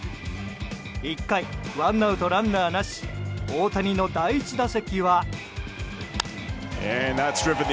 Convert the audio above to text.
１回、ワンアウトランナーなし大谷の第１打席は。